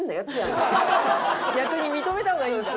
逆に認めた方がいいんだ。